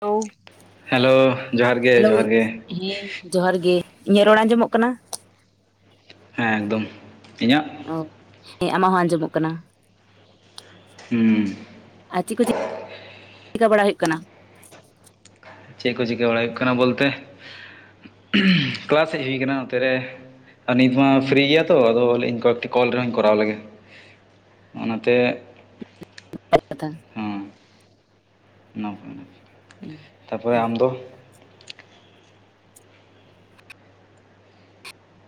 Hello hello ᱡᱚᱦᱟᱨ ᱜᱮ hello ᱡᱚᱦᱟᱨ ᱜᱮ ᱦᱮᱸ ᱡᱚᱦᱟᱨ ᱜᱮ᱾ ᱤᱧᱟᱹᱜ ᱨᱚᱲ ᱟᱸᱡᱚᱢᱚᱜ ᱠᱟᱱᱟ? ᱦᱮᱸ ᱮᱠᱫᱚᱢ᱾ ᱤᱧᱟᱹᱜ? ᱚ ᱦᱮᱸ ᱟᱢᱟᱜ ᱦᱚᱸ ᱟᱸᱡᱚᱢᱚᱜ ᱠᱟᱱᱟ᱾ ᱦᱩᱸ ᱟᱨ ᱪᱮᱫ ᱠᱚ ᱪᱮᱠᱟᱹ ᱵᱟᱲᱟ ᱦᱩᱭᱩᱜ ᱠᱟᱱᱟ? ᱪᱮᱫ ᱠᱚ ᱪᱤᱠᱟᱹ ᱵᱟᱲᱟᱭ ᱦᱩᱭᱩᱜ ᱠᱟᱱᱟ ᱵᱚᱞᱛᱮ, ᱠᱞᱟᱥ ᱦᱮᱡ ᱦᱩᱭ ᱠᱟᱱᱟ ᱱᱚᱛᱮᱨᱮ ᱟᱨ ᱱᱤᱛ ᱢᱟ ᱯᱷᱨᱤ ᱜᱮᱭᱟ ᱛᱚ ᱟᱫᱚ ᱞᱟᱹᱭᱟ. ᱧ ᱠᱚᱭᱮᱠᱴᱤ ᱠᱚᱞ ᱨᱮᱦᱚᱸᱧ ᱠᱚᱨᱟᱣ ᱞᱮᱜᱮ᱾ ᱚᱱᱟᱛᱮ [unintelligible] [unintelligible] ᱛᱟᱯᱚᱨᱮ ᱟᱢᱫᱚ?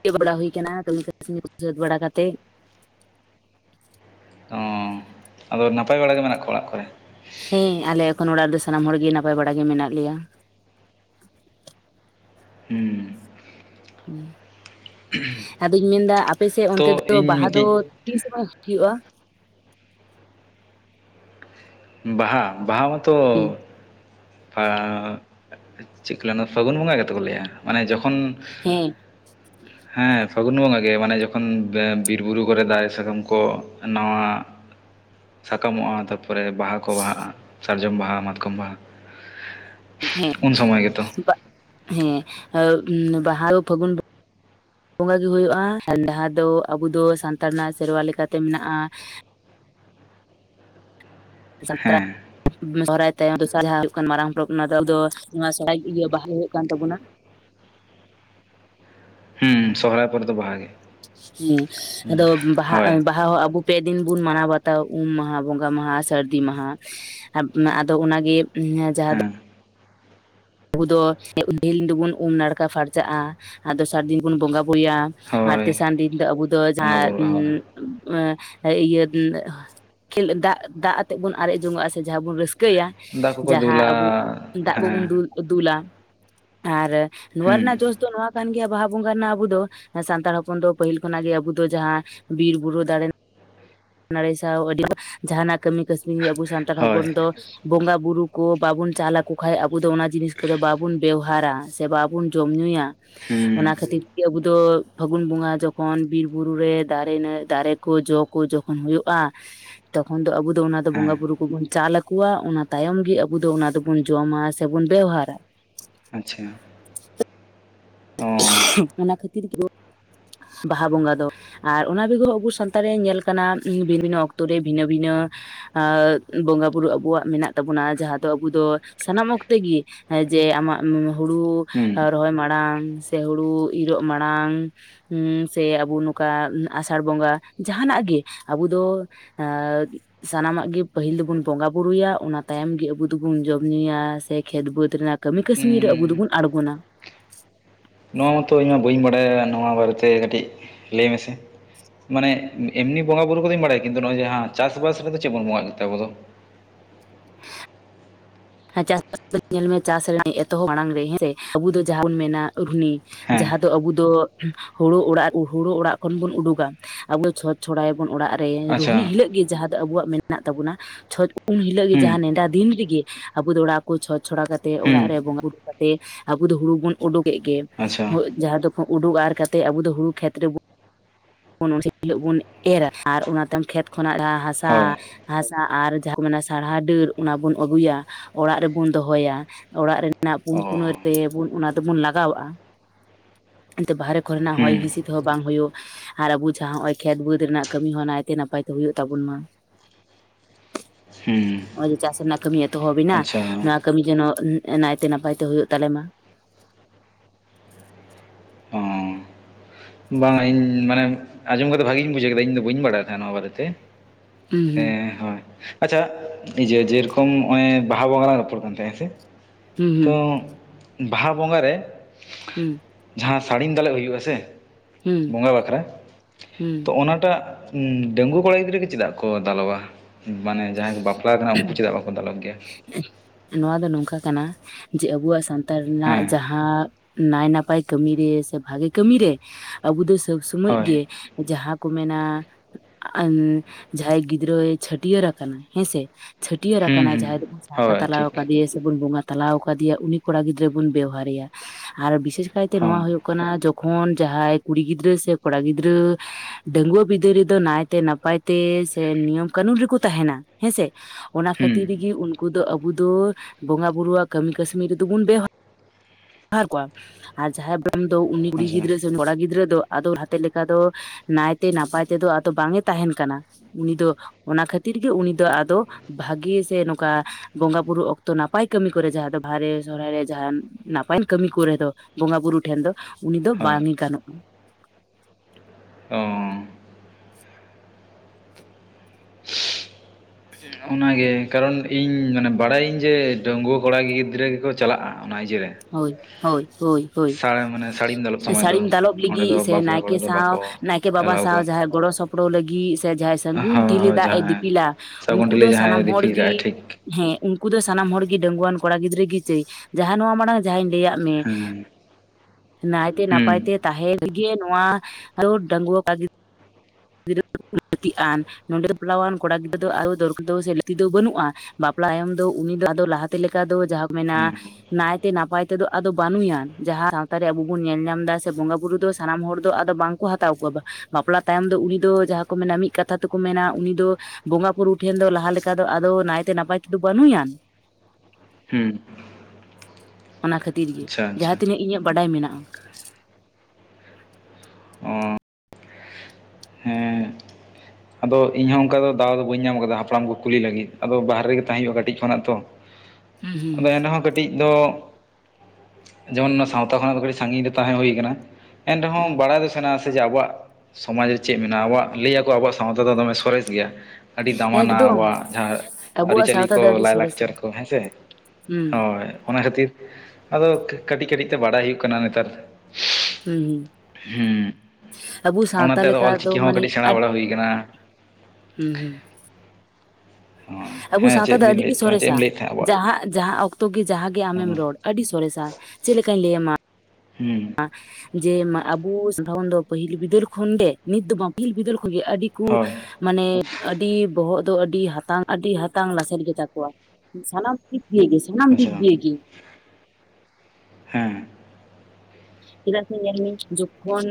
[unintelligible] ᱵᱟᱲᱟ ᱦᱩᱭ ᱟᱠᱟᱱᱟ ᱠᱟᱹᱢᱤ ᱠᱚ ᱥᱟᱹᱛ ᱵᱟᱲᱟ ᱠᱟᱛᱮ ᱚ ᱟᱫᱚ ᱱᱟᱯᱟᱭ ᱵᱟᱲᱟ ᱜᱮ ᱢᱮᱱᱟᱜ ᱠᱚᱣᱟ ᱚᱲᱟᱜ ᱠᱚᱨᱮ? ᱦᱮᱸ ᱟᱞᱮ ᱮᱠᱷᱚᱱ ᱚᱲᱟᱜ ᱨᱮᱫᱚ ᱥᱟᱱᱟᱢ ᱦᱚᱲᱜᱮ ᱱᱟᱯᱟᱭ ᱵᱟᱲᱟᱜᱮ ᱢᱮᱱᱟᱜ ᱞᱮᱭᱟ᱾ ᱦᱩᱸ ᱦᱩᱸ ᱟᱫᱚᱧ ᱢᱮᱱ ᱮᱫᱟ ᱟᱯᱮᱥᱮᱫ ᱛᱚ ᱚᱱᱛᱮ ᱫᱚ ᱤᱧ ᱵᱟᱦᱟ ᱫᱚ ᱢᱤᱫᱴᱤᱡ ᱛᱤᱥ ᱦᱚ-ᱵᱟᱝ ᱦᱩᱭᱩᱜ-ᱟ ᱵᱟᱦᱟ ᱵᱟᱦᱟ ᱦᱮᱸ ᱢᱟᱛᱚ ᱪᱮᱫ ᱠᱚ ᱞᱟᱹᱭᱟ ᱯᱷᱟᱹᱜᱩᱱ ᱵᱚᱸᱜᱟ ᱜᱮᱛᱚ ᱠᱚ ᱞᱟᱹᱭᱟ ᱢᱟᱱᱮ ᱡᱚᱠᱷᱚᱱ [unintelligible] ᱦᱮᱸ ᱯᱷᱟᱹᱜᱩᱱ ᱵᱚᱸᱜᱟ ᱜᱮ ᱢᱟᱱᱮ ᱡᱚᱠᱷᱚᱱ ᱵᱤᱨ ᱵᱩᱨᱩ ᱠᱚᱨᱮ ᱫᱟᱨᱮ ᱥᱟᱠᱟᱢ ᱠᱚ ᱱᱟᱣᱟ [inaudible] ᱥᱟᱠᱟᱢᱚᱜ-ᱟ ᱛᱟᱨᱯᱚᱨᱮ ᱵᱟᱦᱟ ᱠᱚ ᱵᱟᱦᱟᱜ-ᱟ ᱥᱟᱨᱡᱚᱢ ᱵᱟᱦᱟ ᱢᱟᱛᱠᱚᱢ ᱵᱟᱦᱟ ᱩᱱ ᱥᱚᱢᱚᱭ ᱜᱮᱛᱚ ᱦᱮᱸ ᱦᱮᱸ ᱵᱟᱦᱟ ᱫᱚ ᱯᱷᱟᱹᱜᱩᱱ ᱵᱚᱸ ᱵᱚᱸᱜᱟ ᱜᱮ ᱦᱩᱭᱩᱜ-ᱟ ᱡᱟᱦᱟ ᱫᱚ ᱟᱵᱚ ᱫᱚ ᱥᱟᱱᱛᱟᱲ ᱨᱮᱱᱟᱜ ᱥᱮᱨᱣᱟ ᱞᱮᱠᱟᱛᱮ ᱢᱮᱱᱟᱜ-ᱟ ᱥᱟᱱᱛᱟᱲᱟᱜ ᱦᱮᱸ ᱥᱚᱨᱦᱟᱭ ᱛᱟᱭᱚᱢ ᱫᱚ ᱦᱩᱭᱩᱜ ᱠᱟᱱᱟ ᱢᱟᱨᱟᱝ ᱯᱚᱨᱚᱵᱽ ᱚᱱᱟ ᱫᱚ [unintelligible] ᱤᱭᱟᱹ ᱵᱟᱦᱟ ᱦᱩᱭᱩᱜ ᱠᱟᱱ ᱛᱟᱵᱚᱱᱟ ᱦᱩᱸ ᱥᱚᱨᱦᱟᱭ ᱯᱚᱨᱮ ᱫᱚ ᱵᱟᱦᱟ ᱜᱮ ᱦᱩᱸ ᱦᱩᱸ ᱟᱫᱚ ᱵᱟᱦᱟ ᱦᱳᱭ ᱵᱟᱦᱟ ᱦᱚᱸ ᱟᱵᱚ ᱯᱮᱫᱤᱱ ᱵᱩᱱ ᱢᱟᱱᱟᱣ ᱵᱟᱛᱟᱣ ᱩᱢ ᱢᱟᱦᱟ ᱵᱚᱸᱜᱟ ᱢᱟᱦᱟ ᱥᱟᱹᱨᱫᱤ ᱢᱟᱦᱟ ᱟᱫᱚ ᱚᱱᱟᱜᱮ ᱡᱟᱦᱟᱸ ᱫᱚ ᱦᱮᱸ ᱟᱵᱚ ᱫᱚ ᱰᱷᱤᱞ ᱫᱚᱵᱚᱱ ᱩᱢ ᱱᱟᱲᱠᱟ ᱯᱷᱟᱨᱪᱟᱜ-ᱟ ᱟᱨ ᱫᱚᱥᱟᱨ ᱫᱤᱱ ᱵᱩᱱ ᱵᱚᱸᱜᱟ ᱵᱳᱭᱟ ᱟᱨ ᱦᱳᱭ ᱛᱮᱥᱟᱨ ᱫᱤᱱ ᱫᱚ ᱟᱵᱚ ᱫᱚ ᱵᱚᱸᱜᱟ ᱡᱟᱦᱟᱸ ᱵᱩᱨᱩᱜᱼᱟ ᱦᱳᱭ ᱟ ᱤᱭᱟᱹ ᱠᱷᱮᱞ ᱫᱟᱜ ᱫᱟᱜ ᱟᱛᱮᱜ ᱵᱚᱱ ᱟᱨᱮᱡ ᱡᱚᱝ ᱟ ᱥᱮ ᱡᱟᱦᱟᱸ ᱵᱚᱱ ᱨᱟᱹᱥᱠᱟᱹᱭᱟ ᱫᱟᱜ ᱠᱚᱠᱚ ᱡᱟᱦᱟᱸ ᱫᱩᱞᱟ ᱟᱵᱚ ᱫᱟᱜ ᱵᱟᱵᱚᱱ ᱦᱮᱸ ᱫᱩᱞ ᱫᱩᱞᱟ ᱟᱨ ᱱᱚᱣᱟ ᱦᱮᱸ ᱨᱮᱱᱟᱜ ᱡᱚᱥ ᱫᱚ ᱱᱚᱣᱟ ᱜᱮᱭᱟ ᱵᱟᱦᱟ ᱵᱚᱸᱜᱟ ᱨᱮᱱᱟᱜ ᱟᱵᱚ ᱫᱚ ᱥᱟᱱᱛᱟᱲ ᱦᱚᱯᱚᱱ ᱫᱚ ᱯᱟᱹᱦᱤᱞ ᱠᱷᱚᱱᱟᱜ ᱜᱮ ᱟᱵᱚ ᱫᱚ ᱡᱟᱦᱟᱸ ᱵᱤᱨ ᱵᱩᱨᱩ ᱫᱟᱲᱮ ᱱᱟᱲᱮ ᱥᱟᱶ ᱟᱹᱰᱤ ᱡᱟᱦᱟᱱᱟᱜ ᱠᱟᱹᱢᱤ ᱠᱟᱹᱥᱱᱤ ᱟᱵᱚ ᱥᱟᱱᱛᱟᱲ ᱦᱳᱭ ᱦᱚᱯᱚᱱ ᱫᱚ ᱵᱚᱸᱜᱟ ᱵᱳᱩᱨᱩ ᱠᱚ ᱵᱟᱵᱚᱱ ᱪᱟᱞ ᱟᱠᱚ ᱠᱷᱟᱱ ᱟᱵᱚ ᱫᱚ ᱚᱱᱟ ᱡᱤᱱᱤᱥ ᱠᱚᱫᱚ ᱵᱟᱵᱚᱱ ᱵᱮᱣᱦᱟᱨᱟ ᱥᱮ ᱵᱟᱵᱚᱱ ᱡᱚᱢ ᱧᱩᱭᱟ ᱚᱱᱟ ᱦᱮᱸ ᱠᱷᱟᱹᱛᱤᱨ ᱟᱵᱩ ᱫᱚ ᱯᱷᱟᱹᱜᱩᱱ ᱵᱚᱸᱜᱟ ᱡᱚᱠᱷᱚᱱ ᱵᱤᱨ ᱵᱩᱨᱩ ᱨᱮ ᱫᱟᱨᱮ ᱫᱟᱨᱮ ᱠᱚ ᱡᱚ ᱠᱚᱚᱠᱷᱚᱱ ᱠᱷᱚᱱ ᱦᱩᱭᱩᱜ-ᱟ ᱛᱚᱠᱷᱚᱱ ᱫᱚ ᱟᱵᱚ ᱫᱚ ᱚᱱᱟ ᱫᱚ ᱦᱮᱸ ᱵᱚᱸᱜᱟ ᱵᱩᱨᱩ ᱠᱚᱵᱚᱱ ᱪᱟᱞ ᱟᱠᱚᱣᱟ ᱚᱱᱟ ᱛᱟᱭᱚᱢ ᱜᱮ ᱟᱵᱚ ᱫᱚ ᱚᱱᱟ ᱫᱚ ᱡᱚᱢᱟ ᱥᱮ ᱵᱚᱱ ᱵᱮᱣᱦᱟᱨᱟ ᱟᱪᱪᱷᱟ ᱚ ᱚᱱᱟ ᱠᱷᱟᱹᱛᱤᱨ [unintelligible] ᱵᱟᱦᱟ ᱵᱚᱸᱜᱟ ᱫᱚ ᱟᱨ ᱚᱱᱟ ᱵᱮᱜᱚᱨ ᱥᱟᱶᱛᱟ ᱧᱮᱞ ᱠᱟᱱᱟ ᱵᱤᱵᱷᱤᱱᱱᱚ ᱚᱠᱛᱚᱮ ᱨᱮ ᱵᱷᱤᱱᱟᱹ ᱵᱷᱤᱱᱟᱹ ᱟᱻ ᱵᱚᱸᱜᱟ ᱵᱩᱨᱩ ᱟᱵᱚᱣᱟᱜ ᱢᱮᱱᱟᱜ ᱛᱟᱵᱚᱱᱟ ᱡᱟᱦᱟᱸ ᱫᱚ ᱟᱵᱚ ᱫᱚ ᱥᱟᱱᱟᱢ ᱚᱠᱛᱮ ᱜᱮ ᱡᱮ ᱟᱢᱟᱜ ᱦᱩᱲᱩ ᱦᱮᱸ ᱨᱚᱦᱚᱭ ᱢᱟᱲᱟᱝ ᱥᱮ ᱦᱩᱲᱩ ᱤᱨᱚᱜ ᱢᱟᱲᱟᱝ ᱦᱮᱸ ᱥᱮ ᱟᱵᱚ ᱱᱚᱝᱠᱟ ᱟᱥᱟᱲ ᱵᱚᱸᱜᱟ ᱡᱟᱦᱟᱱᱟᱜ ᱜᱮ ᱟᱵᱚ ᱫᱚ [unintelligible] ᱥᱟᱱᱟᱢᱟᱜ ᱜᱮ ᱯᱟᱹᱦᱤᱞ ᱫᱚᱵᱚᱱ ᱵᱚᱸᱜᱟ ᱵᱩᱨᱩᱭᱟ ᱚᱱᱟ ᱛᱟᱭᱚᱢ ᱜᱮ ᱟᱵᱚ ᱫᱚᱵᱩᱱ ᱡᱚᱢ ᱧᱩᱭᱟ ᱥᱮ ᱠᱷᱮᱛ ᱵᱟᱹᱫᱽ ᱨᱮᱱᱟᱜ ᱠᱟᱹᱢᱤ ᱠᱟᱹᱥᱢᱤ ᱨᱮ ᱟᱵᱚ ᱫᱚᱵᱚᱱ ᱟᱲᱜᱚᱱᱟ ᱱᱚᱣᱟ ᱢᱟᱛᱚ ᱤᱧᱢᱟ ᱵᱟᱹᱧ ᱵᱟᱲᱟᱭᱟ ᱱᱚᱣᱟ ᱵᱟᱨᱮᱛᱮ ᱠᱟᱹᱴᱤᱡ ᱞᱟᱹᱭ ᱢᱮᱥᱮ ᱢᱟᱱᱮ ᱮᱢᱱᱤ ᱵᱚᱸᱜᱟ ᱵᱩᱨᱩ ᱠᱚᱫᱚᱧ ᱵᱟᱲᱟᱭᱟ ᱠᱤᱱᱛᱩ ᱱᱚᱜ-ᱚᱭ ᱡᱮ ᱪᱟᱥᱵᱟᱥ ᱨᱮᱫᱚ ᱪᱮᱫ ᱵᱚᱱ ᱵᱚᱸᱜᱟᱟᱜᱟ ᱟᱵᱚ ᱫᱚ ᱦᱮᱸ [unintelligible] ᱧᱮᱞ ᱢᱮ ᱪᱟᱥ [unintelligible] ᱮᱛᱚᱦᱚᱵ ᱢᱟᱲᱟᱝ ᱨᱮ ᱦᱮᱸᱥᱮ ᱟᱵᱚ ᱫᱚ ᱡᱟᱦᱟᱸ ᱵᱚᱱ ᱢᱮᱱᱟ ᱨᱩᱦᱱᱤ ᱡᱟᱦᱟᱸ ᱦᱮᱸ ᱫᱚ ᱟᱵᱚ ᱫᱚ ᱦᱳᱲᱳ ᱚᱲᱟᱜ ᱦᱳᱲᱩ ᱚᱲᱟᱜ ᱠᱷᱚᱱ ᱵᱚᱱ ᱩᱰᱩᱠᱟ ᱟᱵᱚ ᱪᱷᱚᱪ ᱪᱷᱚᱲᱟ ᱭᱟᱵᱚᱱ ᱚᱲᱟᱜ ᱨᱮ ᱨᱩᱦᱱᱤ ᱟᱪᱪᱷᱟ ᱦᱤᱞᱳᱜ ᱜᱮ ᱡᱟᱦᱟᱸ ᱫᱚ ᱟᱵᱚᱣᱟᱜ ᱢᱮᱱᱟᱜ ᱛᱟᱵᱚᱱᱟ ᱪᱷᱚᱪ ᱩᱱ ᱦᱤᱞᱳᱜ ᱜᱮ ᱡᱟᱦᱟᱸ ᱦᱩᱸ ᱱᱮᱰᱟ ᱫᱤᱱ ᱨᱮᱜᱮ ᱟᱵᱚ ᱫᱚ ᱚᱲᱟᱜ ᱠᱚ ᱪᱷᱚᱪ ᱪᱷᱚᱲᱟ ᱠᱟᱛᱮᱫ ᱦᱩᱸ ᱚᱲᱟᱜ ᱨᱮ ᱵᱚᱸᱜᱟ ᱵᱩᱨᱩ ᱠᱟᱛᱮᱜ ᱟᱵᱚ ᱫᱚ ᱦᱩᱲᱩ ᱵᱩᱱ ᱩᱰᱩᱠᱮᱫ ᱜᱮ ᱟᱪᱪᱷᱟ ᱡᱟᱦᱟᱸ ᱫᱚ ᱩᱰᱩᱠ ᱟᱨ ᱠᱟᱛᱮ ᱟᱵᱚ ᱫᱚ ᱦᱩᱲᱩ ᱠᱷᱮᱛ ᱨᱮᱵᱚ [unintelligible] ᱦᱤᱞᱳᱜ ᱵᱚᱱ ᱮᱨᱟ ᱟᱨ ᱚᱱᱟ ᱛᱟᱭᱚᱢ ᱠᱷᱮᱛ ᱠᱷᱚᱱᱟᱜ ᱡᱟᱦᱟᱸ ᱦᱟᱥᱟ ᱦᱳᱭ ᱦᱟᱥᱟ ᱟᱨ ᱡᱟᱦᱟᱸᱠᱚ ᱢᱮᱱᱟ ᱥᱟᱨᱦᱟ ᱰᱟᱹᱨ ᱚᱱᱟ ᱵᱚᱱ ᱟᱹᱜᱩᱭᱟ ᱚᱲᱟᱜ ᱨᱮᱵᱚᱱ ᱫᱚᱦᱚᱭᱟ ᱚᱲᱟᱜ ᱨᱮᱱᱟᱜ ᱯᱩᱱ ᱚ ᱠᱩᱱᱟᱹᱭ ᱨᱮᱵᱚᱱ ᱚᱱᱟ ᱫᱚᱵᱚᱱ ᱞᱟᱜᱟᱣᱟᱜ-ᱟ ᱮᱱᱛᱮ ᱵᱟᱦᱨᱮ ᱠᱚᱨᱮᱱᱟᱜ ᱦᱚᱭ ᱦᱩᱸ ᱦᱤᱸᱥᱤᱫ ᱦᱚᱸ ᱵᱟᱝ ᱦᱩᱭᱩᱜ ᱟᱨ ᱟᱵᱚ ᱡᱟᱦᱟᱸ ᱦᱚᱜᱼᱚᱭ ᱠᱷᱮᱛ ᱵᱟᱹᱫᱽ ᱨᱮᱱᱟᱜ ᱠᱟᱹᱢᱤ ᱦᱚᱸ ᱱᱟᱭᱛᱮ ᱱᱟᱯᱟᱭ ᱛᱮ ᱦᱳᱭᱩᱜ ᱛᱟᱵᱚᱱ ᱢᱟ ᱦᱩᱸ ᱦᱚᱜᱼᱚᱭ ᱡᱮ ᱪᱟᱥ ᱨᱮᱱᱟᱜ ᱠᱟᱹᱢᱤ ᱮᱛᱚᱦᱚᱵᱼᱼ ᱟᱪᱪᱷᱟ ᱠᱟᱹᱢᱤ ᱡᱮᱱᱚ ᱱᱟᱭᱛᱮ ᱱᱟᱯᱟᱭ ᱛᱮ ᱦᱩᱭᱩᱜ ᱛᱟᱞᱮ ᱢᱟ ᱚ ᱵᱟᱝ ᱤᱧ ᱢᱟᱱᱮ ᱟᱸᱡᱚᱢ ᱠᱟᱛᱮ ᱵᱷᱟᱜᱤᱧ ᱵᱩᱡᱟᱹᱣ ᱠᱮᱫᱟ ᱤᱧ ᱫᱚ ᱵᱟᱹᱧ ᱵᱟᱲᱟᱭ ᱛᱟᱦᱮᱸᱫ ᱱᱚᱣᱟ ᱵᱟᱨᱮᱛᱮ ᱦᱩᱸ ᱦᱮᱸ ᱦᱳᱭ ᱟᱪᱪᱷᱟ ᱤᱭᱟᱹ ᱡᱮᱨᱚᱠᱚᱢ ᱱᱚᱜᱼᱚᱭ ᱵᱟᱦᱟ ᱵᱚᱸᱜᱟ ᱞᱟᱝ ᱨᱚᱯᱚᱲ ᱠᱟᱱ ᱛᱟᱦᱮᱸ ᱦᱮ ᱥᱮ ᱦᱩᱸ ᱛᱚ ᱦᱩᱸ ᱵᱟᱦᱟ ᱵᱚᱸᱜᱟ ᱨᱮ ᱦᱩᱸ ᱡᱟᱦᱟᱸ ᱥᱟᱹᱲᱤᱢ ᱫᱟᱞᱚᱵ ᱦᱩᱭᱩᱜᱼᱟ ᱥᱮ ᱦᱩᱸ ᱦᱩᱸ ᱵᱚᱸᱜᱟ ᱵᱟᱠᱷᱨᱟ ᱦᱩᱸ ᱛᱚ ᱚᱱᱟᱴᱟᱜ ᱰᱟᱺᱜᱩᱣᱟᱹ ᱠᱚᱲᱟ ᱜᱤᱫᱽᱨᱟᱹ ᱜᱮ ᱪᱮᱫᱟᱜ ᱠᱚ ᱫᱟᱞᱚᱵᱟ ᱢᱟᱱᱮ ᱡᱟᱦᱟᱸᱭ ᱠᱚ ᱵᱟᱯᱞᱟ ᱠᱟᱱᱟ ᱩᱱᱠᱩ ᱪᱮᱫᱟᱜ ᱵᱟᱠᱚ ᱫᱟᱞᱚᱵ ᱜᱮᱭᱟ ᱱᱚᱣᱟ ᱫᱚ ᱱᱚᱝᱠᱟ ᱠᱟᱱᱟ ᱡᱮ ᱟᱵᱚᱣᱟᱜ ᱥᱟᱱᱛᱟᱲ ᱨᱮᱱᱟᱜ ᱦᱮᱸ ᱡᱟᱦᱟᱸ ᱟᱨ ᱱᱟᱭ ᱱᱟᱯᱟᱭ ᱠᱟᱹᱢᱤ ᱨᱮ ᱥᱮ ᱵᱷᱟᱹᱜᱮ ᱠᱟᱹᱢᱤ ᱨᱮ ᱟᱵᱚ ᱫᱚ ᱥᱚᱵ ᱥᱚᱢᱚᱭ ᱦᱳᱭ ᱜᱮ ᱡᱟᱦᱟᱸ ᱠᱚ ᱢᱮᱱᱟ ᱡᱟᱦᱟᱸᱭ ᱜᱤᱫᱽᱨᱟᱹᱭ ᱪᱷᱟᱹᱴᱭᱟᱹᱨ ᱦᱮᱸᱥᱮ ᱪᱷᱟᱹᱴᱭᱟᱹᱨ ᱦᱩᱸ ᱟᱠᱟᱱᱟᱭ ᱦᱩᱸ ᱡᱟᱦᱟᱸᱭ ᱫᱚᱵᱚᱱ ᱥᱟᱶᱛᱟ ᱦᱳᱭ ᱛᱟᱞᱟ ᱴᱷᱤᱠ ᱟᱠᱟᱫᱮᱭᱟ ᱥᱮᱵᱚᱱ ᱵᱟᱸᱜᱟ ᱛᱟᱞᱟᱣ ᱟᱠᱟᱫᱮᱭᱟ ᱩᱱᱤ ᱠᱚᱲᱟ ᱜᱤᱫᱽᱨᱟᱹ ᱵᱚᱱ ᱵᱮᱣᱦᱟᱨᱮᱭᱟ ᱟᱨ ᱵᱤᱥᱮᱥ ᱠᱟᱭᱛᱮ ᱱᱚᱣᱟ ᱦᱚᱸ ᱦᱩᱭᱩᱜ ᱡᱚᱠᱷᱚᱱ ᱡᱟᱦᱟᱸᱭ ᱠᱩᱲᱤ ᱜᱤᱫᱽᱨᱟᱹ ᱥᱮ ᱠᱚᱲᱟ ᱜᱤᱫᱽᱨᱟᱹ ᱰᱟᱺᱜᱩᱣᱟᱹ ᱵᱤᱫᱟᱹᱞ ᱨᱮᱫᱚ ᱱᱟᱭᱛᱮ ᱱᱟᱯᱟᱭ ᱛᱮ ᱥᱮ ᱱᱤᱭᱚᱢ ᱠᱟᱹᱱᱩᱱ ᱨᱮ ᱠᱚ ᱛᱟᱦᱮᱸᱱᱟ ᱦᱮᱸᱥᱮ ᱚᱱᱟ ᱦᱩᱸ ᱠᱷᱟᱹᱛᱤᱨ ᱜᱮ ᱩᱱᱠᱩ ᱫᱚ ᱟᱵᱚ ᱫᱚ ᱵᱚᱸᱜᱟ ᱵᱩᱨᱩᱣᱟᱜ ᱠᱟᱹᱢᱤ ᱠᱟᱹᱥᱱᱤ ᱨᱮᱫᱚ ᱵᱚᱱ ᱵᱮᱣᱦᱟᱨ [unintelligible] ᱠᱚᱣᱟ ᱟᱨ [unintelligible] ᱫᱚ ᱩᱱᱤ ᱠᱩᱲᱤ ᱟᱪᱪᱷᱟ ᱜᱤᱫᱽᱨᱟᱹ ᱥᱮ ᱠᱚᱲᱟ ᱜᱤᱫᱽᱨᱟᱹ ᱫᱚ ᱟᱫᱚ ᱞᱟᱦᱟᱛᱮ ᱞᱮᱠᱟ ᱫᱚ ᱱᱟᱭᱛᱮ ᱱᱟᱯᱟᱭ ᱛᱮᱫᱚ ᱟᱫᱚ ᱵᱟᱝ ᱮ ᱛᱟᱦᱮᱸᱱ ᱠᱟᱱᱟ ᱩᱱᱤ ᱫᱚ ᱚᱱᱟ ᱠᱷᱟᱼᱼ ᱛᱤᱨ ᱜᱮ ᱩᱱᱤ ᱫᱚ ᱟᱫᱚ ᱵᱷᱟᱜᱮ ᱥᱮ ᱱᱚᱝᱠᱟ ᱵᱚᱸᱜᱟ ᱵᱩᱨᱩ ᱚᱠᱛᱚ ᱱᱟᱯᱟᱭ ᱠᱟᱹᱢᱤ ᱠᱚ ᱨᱮ ᱡᱟᱦᱟᱸ ᱫᱚ ᱵᱟᱦᱟ ᱨᱮ ᱥᱚᱦᱨᱟᱭ ᱨᱮ ᱡᱟᱦᱟᱸᱱ ᱱᱟᱯᱟᱭ ᱠᱟᱹᱢᱤ ᱠᱚ ᱨᱮ ᱫᱚ ᱵᱚᱸᱜᱟ ᱵᱩᱨᱩ ᱴᱷᱮᱱ ᱫᱚ ᱩᱱᱤ ᱫᱚ ᱦᱳᱭ ᱵᱟᱝ ᱜᱟᱱᱚᱜᱼᱟ ᱚ ᱚᱱᱟ ᱜᱮ ᱠᱟᱨᱚᱱ ᱤᱧ ᱢᱟᱱᱮ ᱵᱟᱲᱟᱭᱟᱹᱧ ᱡᱮ ᱰᱟᱺᱜᱩᱣᱟᱹ ᱠᱚᱲᱟ ᱜᱤᱫᱽᱨᱟᱹ ᱜᱮ ᱠᱚ ᱪᱟᱞᱟᱜᱼᱟ ᱚᱱᱟ ᱤᱭᱟᱹ ᱨᱮ ᱦᱳᱭ ᱦᱳᱭ ᱦᱳᱭ ᱦᱳᱭ ᱥᱟᱲ ᱢᱟᱱᱮ ᱥᱟᱹᱲᱤᱢ ᱫᱟᱞᱚᱵ ᱥᱚᱢᱚᱭ ᱫᱚ ᱥᱟᱹᱲᱤᱢ ᱫᱟᱞᱚᱵ ᱚᱸᱰᱮ ᱞᱟᱹᱜᱤᱫ ᱫᱚ ᱥᱮ ᱵᱟᱯᱞᱟ ᱱᱟᱭᱠᱮ ᱠᱚᱲᱟ ᱫᱚ ᱥᱟᱶ ᱵᱟᱠᱚ ᱱᱟᱭᱠᱮ ᱵᱟᱵᱟ ᱮᱞᱟᱣ ᱥᱟᱶ ᱠᱚᱣᱟ ᱡᱟᱦᱟᱸᱭ ᱜᱚᱲᱚ [inaudible] [unintelligible] ᱞᱟᱹᱜᱤᱫ ᱥᱮ ᱡᱟᱦᱟᱸᱭ ᱥᱟᱹᱜᱩᱱ ᱦᱳᱭ ᱴᱷᱤᱞᱤ ᱦᱳᱭ ᱫᱟᱜ ᱮ ᱡᱟᱦᱟᱸᱭ ᱫᱤᱯᱤᱞᱟ ᱥᱟᱹᱜᱩᱱ ᱩᱱᱠᱩ ᱫᱚ ᱴᱷᱤᱞᱤ ᱥᱟᱱᱟᱢ ᱡᱟᱦᱟᱸᱭ ᱦᱚᱲ ᱫᱤᱯᱤᱞ ᱜᱮ ᱠᱟᱜᱼᱟᱭ ᱴᱷᱤᱠ ᱦᱮᱸ ᱩᱱᱠᱩ ᱫᱚ ᱥᱟᱱᱟᱢ ᱦᱚᱲ ᱜᱤ ᱰᱟᱺᱜᱣᱟᱹᱟᱱ ᱠᱚᱲᱟ ᱜᱤᱫᱽᱨᱟᱹ ᱜᱮ ᱪᱟᱹᱭ ᱡᱟᱦᱟᱸ ᱱᱚᱣᱟ ᱢᱟᱲᱟᱝᱼᱼ ᱡᱟᱦᱟᱸᱧ ᱞᱟᱹᱭᱟᱜ ᱢᱮᱼᱼ ᱦᱮᱸ ᱱᱟᱭᱛᱮ ᱱᱟᱯᱟᱭ ᱦᱩᱸ ᱛᱮ ᱛᱟᱦᱮᱸᱱ ᱜᱮ ᱱᱚᱣᱟ ᱰᱟᱝᱜᱩᱣᱟᱹ ᱠᱟ [unintelligible] ᱼᱼ ᱜᱤᱫᱽᱨᱟᱹ [unintelligible] ᱱᱚᱸᱰᱮ ᱵᱟᱯᱞᱟᱣᱟᱱ ᱠᱚᱲᱟ ᱜᱤᱫᱽᱨᱟᱹ ᱫᱚ [unintelligible] ᱞᱟᱹᱠᱛᱤ ᱫᱚ ᱵᱟᱹᱱᱩᱜᱼᱟ ᱾ ᱵᱟᱯᱞᱟ ᱛᱟᱭᱚᱢ ᱫᱚ ᱩᱱᱤ ᱫᱚ ᱟᱫᱚ ᱞᱟᱦᱟ ᱛᱮ ᱞᱮᱠᱟ ᱫᱚ ᱡᱟᱦᱟᱸ ᱠᱚ ᱢᱮᱱᱟᱼᱼ ᱦᱮᱸ ᱱᱟᱭᱛᱮ ᱱᱟᱯᱟᱭ ᱛᱮᱫᱚ ᱟᱫᱚ ᱵᱟᱹᱱᱩᱭᱟ ᱡᱟᱦᱟᱸ ᱥᱟᱶᱛᱟ ᱨᱮ ᱟᱵᱚ ᱵᱚᱱ ᱧᱮᱞ ᱧᱟᱢ ᱮᱫᱟ ᱥᱮ ᱵᱚᱸᱜᱟ ᱵᱩᱨᱩ ᱫᱚ ᱥᱟᱱᱟᱢ ᱦᱚᱲ ᱫᱚ ᱟᱫᱚ ᱵᱟᱝᱼᱼ ᱦᱟᱛᱟᱣ ᱠᱚᱣᱟ ᱵᱟᱯᱞᱟ ᱛᱟᱭᱚᱢ ᱫᱚ ᱩᱱᱤ ᱫᱚ ᱡᱟᱦᱟᱸ ᱠᱚ ᱢᱮᱱᱟ ᱢᱤᱫ ᱠᱟᱛᱷᱟ ᱛᱮᱠᱚ ᱢᱮᱱᱟ ᱩᱱᱤ ᱫᱚᱼᱼ ᱵᱚᱸᱜᱟ ᱵᱩᱨᱩ ᱴᱷᱮᱱ ᱫᱚ ᱞᱟᱦᱟ ᱞᱮᱠᱟ ᱫᱚ ᱟᱫᱚ ᱱᱟᱭᱛᱮ ᱱᱟᱯᱟᱭ ᱛᱮ ᱫᱚ ᱵᱟᱹᱱᱩᱭᱟ ᱾ ᱦᱩᱸ ᱾ ᱚᱱᱟ ᱠᱷᱟᱹᱛᱤᱨ ᱜᱮ ᱟᱪᱪᱷᱟ ᱟᱪᱪᱷᱟ ᱡᱟᱦᱟᱸᱛᱤᱱᱟᱹᱜ ᱤᱧᱟᱹᱜ ᱵᱟᱰᱟᱭ ᱢᱮᱱᱟᱜᱼᱟ ᱚ ᱦᱮᱸ ᱟᱫᱚ ᱤᱧ ᱦᱚᱸ ᱚᱱᱠᱟ ᱫᱚ ᱫᱟᱣ ᱫᱚ ᱵᱟᱹᱧ ᱧᱟᱢ ᱟᱠᱟᱫᱟ ᱦᱟᱯᱲᱟᱢ ᱠᱚ ᱠᱩᱞᱤ ᱞᱟᱹᱜᱤᱫ ᱟᱫᱚ ᱵᱟᱦᱨᱮ ᱨᱮᱜᱮ ᱛᱟᱦᱮᱸ ᱦᱩᱭᱩᱜᱼᱟ ᱠᱟᱹᱴᱤᱡ ᱠᱷᱚᱱᱟᱜ ᱛᱚ ᱾ [inaudible] ᱟᱫᱚ ᱮᱱ ᱦᱚᱸ ᱠᱟᱹᱼᱼ ᱴᱤᱡ ᱫᱚ ᱡᱮᱢᱚᱱ ᱱᱚᱣᱟ ᱥᱟᱶᱛᱟ ᱠᱷᱚᱱᱟᱜ ᱫᱚ ᱠᱟᱹᱴᱤᱡ ᱥᱟᱺᱜᱤᱧ ᱨᱮ ᱛᱟᱦᱮᱸ ᱦᱩᱭ ᱟᱠᱟᱱᱟ ᱾ ᱮᱱ ᱦᱩᱸ ᱨᱮᱦᱚᱸ ᱵᱟᱲᱟᱭ ᱫᱚ ᱥᱟᱱᱟᱣᱟ ᱥᱮ ᱡᱮ ᱟᱵᱚᱣᱟᱜ ᱥᱚᱢᱟᱡᱽ ᱨᱮ ᱪᱮᱫ ᱢᱮᱱᱟᱜᱼᱟ ᱟᱵᱚᱣᱟᱜ ᱞᱟᱹᱭ ᱟᱠᱚ ᱟᱵᱚᱣᱟᱜᱼᱼ ᱥᱟᱶᱛᱟ ᱫᱚ ᱫᱚᱢᱮ ᱥᱚᱨᱮᱥ ᱜᱮᱭᱟ ᱾ ᱟᱹᱰᱤ ᱫᱟᱢᱟᱱᱟ ᱮᱠᱫᱚᱢ ᱟᱵᱚᱣᱟᱜ ᱡᱟᱦᱟᱸ ᱟᱵᱚᱣᱟᱜ ᱟᱹᱨᱤᱪᱟᱹᱞᱤ ᱥᱟᱶᱛᱟ ᱠᱚ ᱫᱚ ᱟᱹᱰᱤ ᱥᱚᱨᱮᱥᱟ ᱞᱟᱭᱼᱞᱟᱠᱪᱟᱨ ᱠᱚ ᱦᱮᱸᱥᱮ ᱦᱩᱸ ᱾ ᱦᱳᱭ ᱚᱱᱟ ᱠᱷᱟᱹᱛᱤᱨ ᱟᱫᱚ ᱠᱟᱹᱴᱤᱡ ᱠᱟᱹᱴᱤᱡ ᱛᱮ ᱵᱟᱲᱟᱭ ᱦᱩᱭᱩᱜ ᱠᱟᱱᱟ ᱱᱮᱛᱟᱨ ᱾ ᱦᱩᱸ ᱦᱩᱸ ᱟᱵᱚ [unintelligible] ᱥᱟᱶᱛᱟ ᱚᱱᱟᱛᱮ ᱟᱫᱚ ᱞᱮᱠᱟ ᱫᱚ ᱚᱞᱪᱤᱠᱤ ᱦᱚᱸ ᱢᱟᱱᱮ ᱠᱟᱹᱴᱤᱡ ᱥᱮᱬᱟ ᱟᱹᱰᱤ ᱵᱟᱲᱟ ᱦᱩᱭᱼᱼ ᱦᱮᱸ ᱾ ᱦᱩᱸ ᱦᱩᱸ ᱾ ᱚ ᱟᱵᱚ ᱦᱮᱸ ᱥᱟᱶᱛᱟ ᱪᱮᱫ ᱫᱚ ᱵᱤᱱ ᱟᱹᱰᱤᱜᱮ ᱞᱟᱹᱭᱮᱫ ᱛᱟᱦᱮᱸᱫ ᱪᱮᱫ ᱥᱚᱨᱮᱥᱟ, ᱮᱢ ᱞᱟᱹᱭᱮᱫ ᱛᱟᱦᱮᱸᱫ ᱟᱵᱚᱣᱟᱜ ᱡᱟᱦᱟᱸ ᱡᱟᱦᱟᱸ ᱚᱠᱛᱚ ᱜᱮ ᱡᱟᱦᱟᱸᱜᱮ ᱟᱢᱮᱢ ᱚ ᱨᱚᱲ ᱟᱹᱰᱤ ᱥᱚᱨᱮᱥᱟ ᱪᱮᱫ ᱞᱮᱠᱟᱧ ᱞᱟᱹᱭ ᱟᱢᱟ᱾ ᱦᱩᱸ ᱾ ᱡᱮ ᱟᱵᱚ ᱫᱷᱚᱱ ᱫᱚ, ᱯᱟᱹᱦᱤᱞ ᱵᱤᱫᱟᱹᱞ ᱠᱷᱚᱱᱜᱮ ᱱᱤᱛ ᱫᱚ ᱵᱟᱝ ᱯᱟᱹᱦᱤᱞ ᱵᱤᱫᱟᱹᱞ ᱠᱷᱚᱱᱜᱮ ᱟᱹᱰᱤ ᱩᱱᱠᱩ ᱦᱳᱭ ᱢᱟᱱᱮ ᱟᱹᱰᱤ ᱵᱚᱦᱚᱜ ᱫᱚ ᱟᱹᱰᱤ ᱦᱟᱛᱟᱝ ᱟᱹᱰᱤ ᱦᱟᱛᱟᱝ ᱞᱟᱥᱮᱨ ᱜᱮᱛᱟ ᱠᱚᱣᱟ ᱾ ᱥᱟᱱᱟᱢ ᱫᱤᱠ ᱫᱤᱭᱮ ᱜᱮ ᱟᱪᱪᱷᱟ ᱜᱮ ᱦᱮᱸ ᱾ ᱪᱮᱫᱟᱜ ᱥᱮ ᱧᱮᱞᱢᱮ ᱡᱚᱠᱷᱚᱱ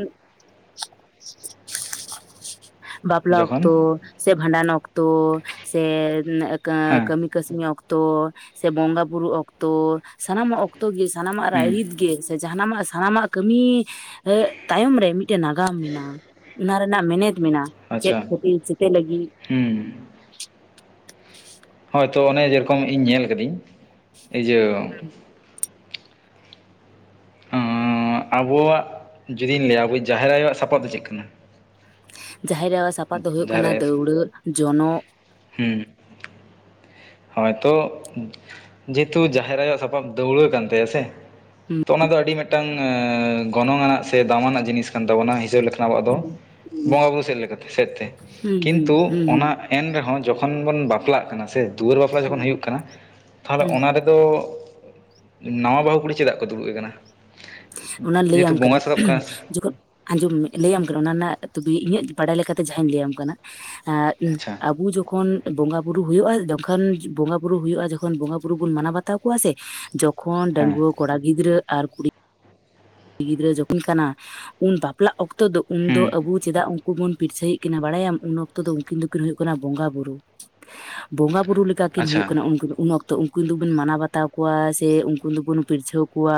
ᱵᱟᱯᱞᱟ ᱡᱚᱠᱷᱚᱱ ᱚᱠᱛᱚ ᱥᱮ, ᱵᱷᱟᱸᱰᱟᱱ ᱚᱠᱛᱚ ᱥᱮ ᱦᱮᱸ ᱠᱟᱹᱢᱤ ᱠᱟᱹᱥᱱᱤ ᱚᱠᱛᱚ ᱥᱮ, ᱵᱚᱸᱜᱟ ᱵᱩᱨᱩ ᱚᱠᱛᱚ, ᱥᱟᱱᱟᱢᱟᱜ ᱚᱠᱛᱚ ᱜᱮ, ᱥᱟᱱᱟᱢᱟᱜ ᱦᱩᱸ ᱨᱟᱹᱭᱨᱤᱛ ᱜᱮ ᱡᱟᱦᱟᱱᱟᱜ ᱥᱟᱱᱟᱢᱟᱜ ᱠᱟᱹᱢᱤ ᱛᱟᱭᱚᱢ ᱨᱮ, ᱢᱤᱫᱴᱮᱱ ᱱᱟᱜᱟᱢ ᱢᱮᱱᱟᱜᱼᱟ ᱾ ᱚᱱᱟ ᱨᱮᱱᱟᱜ ᱢᱮᱱᱮᱛ ᱢᱮᱱᱟᱜᱼᱟ, ᱪᱮᱫ ᱟᱪᱪᱷᱟ ᱠᱷᱟᱹᱛᱤᱨ ᱪᱮᱛᱮ ᱞᱟᱹᱜᱤᱫ? ᱦᱩᱸ ᱾ ᱦᱳᱭ ᱛᱚ ᱚᱱᱮ ᱡᱮᱨᱚᱠᱚᱢ ᱤᱧ ᱧᱮᱞ ᱠᱟᱫᱤᱧ ᱤᱭᱟᱹ ᱚᱸᱻ ᱟᱵᱚᱣᱟᱜ ᱡᱩᱫᱤᱧ ᱞᱟᱹᱭᱟ ᱟᱵᱚ ᱡᱟᱦᱮᱨ ᱟᱭᱳᱟᱜ ᱥᱟᱯᱟᱵ ᱫᱚ ᱪᱮᱫ ᱠᱟᱱᱟ? ᱡᱟᱦᱮᱨ ᱟᱭᱳᱟᱜ ᱥᱟᱯᱟᱵ ᱫᱚ ᱦᱳᱭᱳᱜ ᱡᱟᱦᱮᱨ ᱠᱟᱱᱟ ᱟᱭᱳ ᱥᱮ ᱫᱟᱹᱣᱲᱟᱹ, ᱡᱚᱱᱚᱜ ᱾ ᱦᱩᱸ ᱾ ᱦᱳᱭ ᱛᱚ ᱡᱮᱦᱮᱛᱩ ᱡᱟᱦᱮᱨ ᱟᱭᱳ ᱥᱟᱯᱟᱵ ᱫᱟᱹᱣᱲᱟᱹ ᱠᱟᱱ ᱛᱟᱭᱟ ᱥᱮ ᱾ ᱦᱩᱸ ᱛᱚ ᱚᱱᱟ ᱫᱚ ᱟᱹᱰᱤ ᱢᱤᱫᱴᱟᱝ ᱜᱚᱱᱚᱝ ᱟᱱᱟᱜ ᱥᱮ, ᱫᱟᱢᱟᱱᱟᱜ ᱡᱤᱱᱤᱥ ᱠᱟᱱ ᱛᱟᱵᱚᱱᱟ ᱦᱤᱥᱟᱹᱵ ᱞᱮᱠᱟ ᱟᱵᱚᱣᱟᱜ ᱫᱚ ᱦᱩᱸ ᱵᱚᱸᱜᱟ ᱵᱩᱨᱩ ᱥᱮᱫ ᱞᱮᱠᱟᱛᱮ, ᱥᱮᱫ ᱛᱮ ᱦᱩᱸ ᱦᱩᱸ ᱠᱤᱱᱛᱩ ᱚᱱᱟ ᱦᱩᱸ ᱮᱱ ᱨᱮᱦᱚᱸ ᱡᱚᱠᱷᱚᱱ ᱵᱚᱱ ᱵᱟᱯᱞᱟᱜ ᱠᱟᱱᱟ ᱥᱮ, ᱫᱩᱣᱟᱹᱨ ᱵᱟᱯᱞᱟ ᱦᱩᱸ ᱡᱚᱠᱷᱚᱱ ᱦᱩᱭᱩᱜ ᱠᱟᱱᱟ, ᱛᱟᱦᱚᱞᱮ ᱦᱩᱸ ᱚᱱᱟ ᱨᱮ ᱛᱚ ᱱᱟᱣᱟ ᱵᱟᱹᱦᱩ ᱠᱩᱲᱤ ᱪᱮᱫᱟᱜ ᱠᱚ ᱫᱩᱲᱩᱵᱮ ᱠᱟᱱᱟ? ᱚᱱᱟ ᱞᱟᱹᱭᱟᱢ ᱠᱟᱹᱱᱟᱹᱧ ᱥᱮ ᱡᱚᱠᱷᱚᱱ ᱟᱸᱡᱚᱢ ᱢᱮ ᱞᱟᱹᱭᱟᱢ ᱠᱟᱱᱟ ᱚᱱᱟ ᱨᱮᱱᱟᱜ ᱛᱚᱵᱮ ᱤᱧᱟᱹᱜ ᱵᱟᱲᱟᱭ ᱞᱮᱠᱟᱛᱮ ᱡᱟᱦᱟᱧ ᱞᱟᱹᱭᱟᱢ ᱠᱟᱱᱟ ᱾ ᱟᱸᱻ ᱟᱪᱪᱷᱟ ᱟᱵᱩ ᱡᱚᱠᱷᱚᱱ ᱵᱚᱸᱜᱟ ᱵᱩᱨᱩ ᱦᱩᱭᱩᱜᱼᱟ, ᱡᱚᱠᱷᱚᱱ ᱵᱚᱸᱜᱟ ᱵᱩᱨᱩ ᱦᱩᱭᱩᱜᱼᱟ, ᱡᱚᱠᱷᱚᱱ ᱵᱚᱸᱜᱟ ᱵᱩᱨᱩ ᱵᱚᱱ ᱢᱟᱱᱟᱣ ᱵᱟᱛᱟᱣ ᱠᱚᱣᱟ ᱥᱮ ᱡᱚ ᱠᱷᱚᱱ ᱦᱮᱸ ᱰᱟᱺᱜᱩᱣᱟᱹ ᱠᱚᱲᱟ ᱜᱤᱫᱽᱨᱟᱹ ᱟᱨ ᱠᱩᱲᱤ ᱠᱩᱲᱤ ᱜᱤᱫᱽᱨᱟᱹ ᱡᱚᱠᱷᱚᱱ ᱠᱟᱱᱟ ᱩᱱ ᱵᱟᱯᱞᱟᱜ ᱚᱠᱛᱚ ᱫᱚ ᱩᱱᱫᱚ ᱦᱩᱸ ᱟᱵᱩ ᱪᱮᱫᱟᱜ ᱩᱱᱠᱩ ᱵᱚᱱ ᱯᱤᱨᱪᱷᱟᱹᱭᱮᱜ ᱠᱤᱱᱟ, ᱵᱟᱲᱟᱭᱟᱢ ᱩᱱ ᱚᱠᱛᱚ ᱫᱚ ᱩᱱᱠᱤᱱ ᱫᱚᱠᱤᱱ ᱦᱩᱭᱩᱜ ᱠᱟᱱᱟ ᱵᱚᱸᱜᱟ ᱵᱩᱨᱩ ᱾ ᱵᱚᱸᱜᱟ ᱵᱩᱨᱩ ᱞᱮᱠᱟᱠᱤᱱ ᱟᱪᱪᱷᱟ ᱦᱩᱭᱩᱜ ᱠᱟᱱᱟ ᱩᱱ ᱩᱱ ᱚᱠᱛᱚ ᱛᱚ ᱩᱱᱠᱩ ᱫᱚᱵᱚᱱ ᱢᱟᱱᱟᱣ ᱵᱟᱛᱟᱣ ᱠᱚᱣᱟ, ᱥᱮ ᱩᱱᱠᱩ ᱫᱚᱵᱚᱱ ᱯᱤᱨᱪᱷᱟᱹᱣ ᱠᱚᱣᱟ᱾